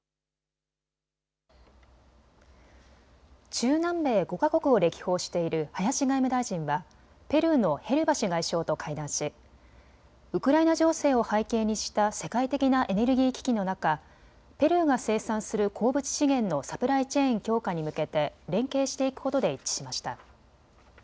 中南米５か国を歴訪している林外務大臣はペルーのヘルバシ外相と会談しウクライナ情勢を背景にした世界的なエネルギー危機の中、ペルーが生産する鉱物資源のサプライチェーン強化に向けて連携していくことで一致しました。